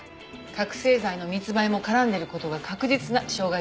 覚醒剤の密売も絡んでいる事が確実な傷害事件よ。